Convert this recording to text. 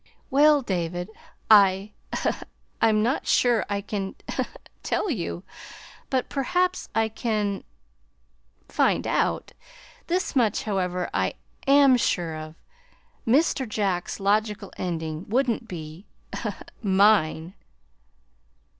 "Well, David, I I'm not sure I can tell you. But perhaps I can find out. This much, however, I am sure of: Mr. Jack's logical ending wouldn't be mine!"